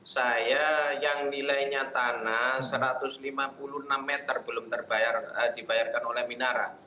saya yang nilainya tanah satu ratus lima puluh enam meter belum dibayarkan oleh minara